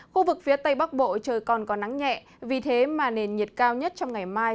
khu vực phía tây bắc bộ trời còn có nắng nhẹ vì thế mà nền nhiệt cao nhất trong ngày mai